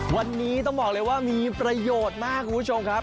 วันนี้ต้องบอกเลยว่ามีประโยชน์มากคุณผู้ชมครับ